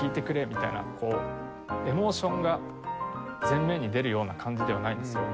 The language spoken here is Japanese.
みたいなエモーションが前面に出るような感じではないんですよ。